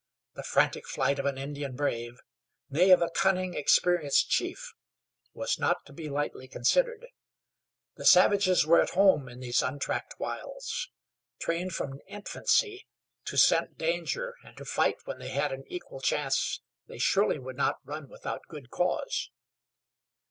The frantic flight of an Indian brave nay, of a cunning, experienced chief was not to be lightly considered. The savages were at home in these untracked wilds. Trained from infancy to scent danger and to fight when they had an equal chance they surely would not run without good cause.